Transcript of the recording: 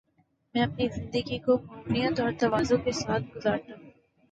میں اپنی زندگی کو معنویت اور تواضع کے ساتھ گزارتا ہوں۔